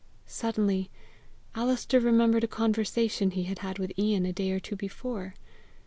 Suddenly Alister remembered a conversation he had had with Ian a day or two before.